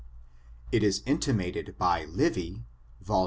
It is intimated by Livy, vol.